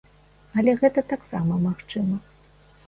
Але гэта таксама магчыма.